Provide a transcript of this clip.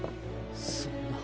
そんな。